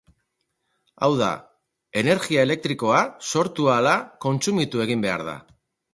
Hau da, energia elektrikoa, sortu ahala, kontsumitu egin behar da.